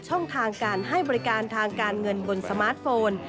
ช่องทางการให้บริการทางการเงินบนสมาร์ทโฟน